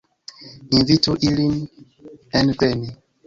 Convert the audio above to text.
Invitu ilin enveni!